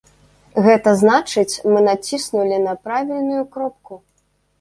Гэта значыць, мы націснулі на правільную кропку.